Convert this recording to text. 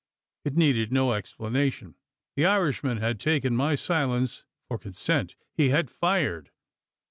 It needed no explanation. The Irishman had taken my silence for consent: he had fired!